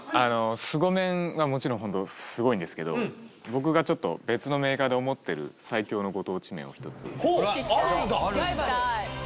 凄麺はもちろんホントすごいんですけど僕がちょっと別のメーカーで思ってる最強のご当地麺を一つおっあるんだ聞きたい